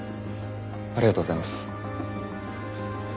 ありがとうございます。